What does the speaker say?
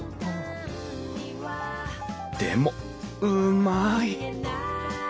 でもうまい！